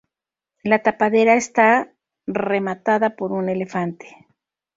La tapadera está rematada por un elefante.